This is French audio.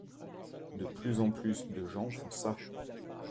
De plus en plus de gens font ça.